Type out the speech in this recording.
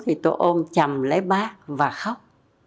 thì tôi ôm chầm lấy bác và khóc